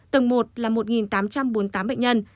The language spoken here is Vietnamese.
tầng một là một tám trăm bốn mươi tám bệnh nhân